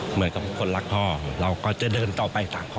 เหมือนกับคนรักพ่อเราก็จะเดินต่อไป๓คน